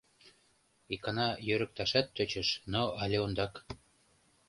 Икана йӧрыкташат тӧчыш, но але ондак.